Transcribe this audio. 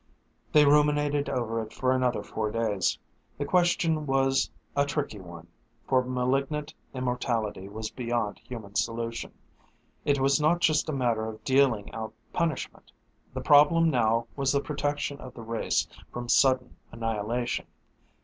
They ruminated over it for another four days. The question was a tricky one, for malignant immortality was beyond human solution. It was not just a matter of dealing out punishment. The problem now was the protection of the race from sudden annihilation.